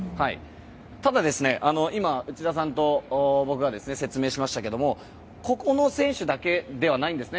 ただ、今、内田さんと僕が説明しましたけどもここの選手だけではないんです。